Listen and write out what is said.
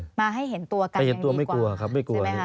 มาให้เห็นตัวกันยังดีกว่าใช่ไหมคะมาให้เห็นตัวไม่กลัวครับไม่กลัว